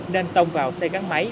nên tông vào xe gắn máy